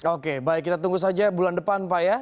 oke baik kita tunggu saja bulan depan pak ya